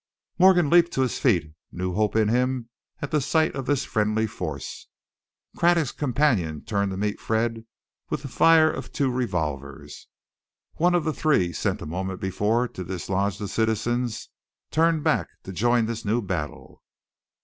Morgan leaped to his feet, new hope in him at sight of this friendly force. Craddock's companion turned to meet Fred with the fire of two revolvers. One of the three sent a moment before to dislodge the citizens, turned back to join this new battle.